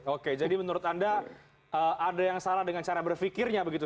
oke jadi menurut anda ada yang salah dengan cara berpikirnya begitu